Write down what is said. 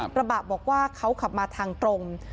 กระบะบอกว่าเขาขับมาทางตรง